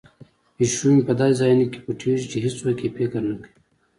پیشو مې په داسې ځایونو کې پټیږي چې هیڅوک یې فکر نه کوي.